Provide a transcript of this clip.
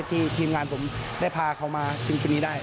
ทีมงานผมได้พาเขามาซึ่งชุดนี้ได้